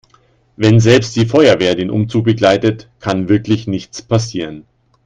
Wenn selbst die Feuerwehr den Umzug begleitet, kann wirklich nichts passieren.